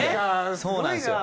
そうなんですよ。